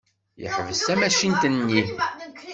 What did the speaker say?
Yeḥbes tamacint-nni.